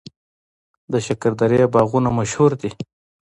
د شکردرې باغونه مشهور دي